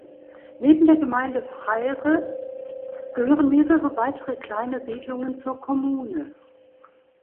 Neben der Gemeinde Freire gehören mehrere weitere kleine Siedlungen zur Kommune.